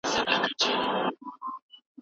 زه بايد زده کړه وکړم.